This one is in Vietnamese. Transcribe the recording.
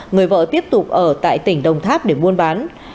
người vợ tiếp tục ở tại tỉnh đồng tháp để buôn bán